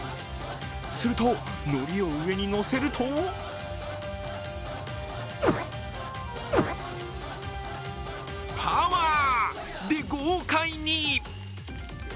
すると、のりを上にのせると「パワー！」で豪快に。